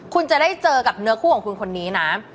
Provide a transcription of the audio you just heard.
คุณจะได้เจอกับเนื้อคู่ของคุณคนนี้นะ